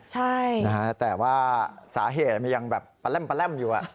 ใช่นะฮะแต่ว่าสาเหตุมันยังแบบประแร่มอยู่